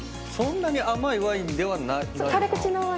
そんなに甘いワインではないかな。